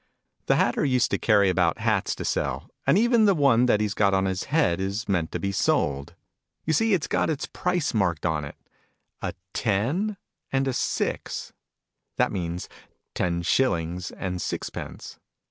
The Ilatter used to carry about hats to sell : and even the one that lie's got on his head is meant to be sold. You see it's got its price marked ou it a "10" and a "6" that means " ten shillings and sixpence."